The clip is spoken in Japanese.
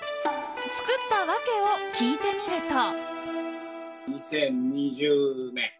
作った訳を聞いてみると。